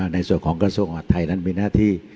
ในส่วนของกระทรวงหวัดไทยนั้นมีหน้าที่